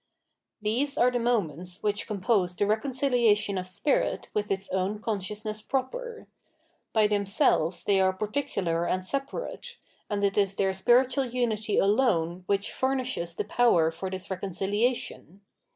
These are the moments which compose the reconcilia tion of spirit with its own consciousness proper. By themselves they are particular and separate ; and it is their spicitual unity alone which furnishes the power for this reconcihation.